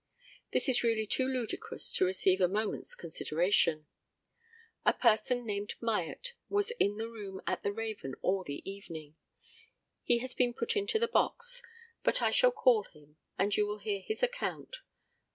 This is really too ludicrous to receive a moment's consideration. A person named Myatt was in the room at the Raven all the evening. He has been put into the box, but I shall call him, and you will hear his account.